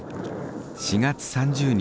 ４月３０日